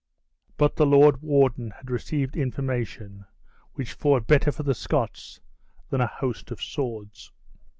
But the lord warden had received information which fought better for the Scots than a host of swords.